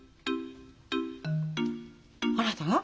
あなたが？